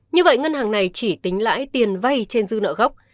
như vậy ngân hàng này chỉ tính lãi tiền vay trên dư nợ gốc